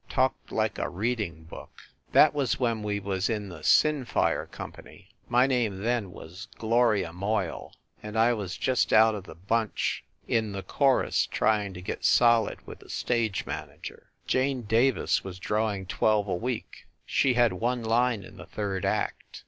Talked like a reading book. That was when we was in the "Sinfire" company my name then was Gloria Moyle and I was just one of the bunch in the chorus trying to get solid with the stage manager. Jane Davis was drawing twelve a week. She had one line in the third act.